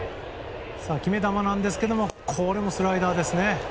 決め球なんですがスライダーですね。